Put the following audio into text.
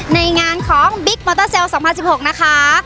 ในงานของบิ๊กมอเตอร์เซล๒๐๑๖นะคะ